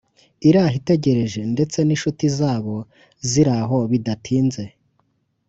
iraho itegereje ndetse n’inshuti zabo ziri aho bidatinze